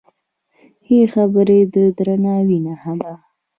ښې خبرې د درناوي نښه ده.